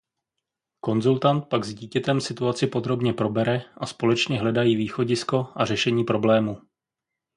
Konzultant pak s dítětem situaci podrobně probere a společně hledají východisko a řešení problému.